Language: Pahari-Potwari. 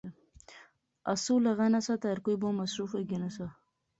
آسو لغنا سا تہ ہر کوئی بہوں مصروف ہوئی گینا سا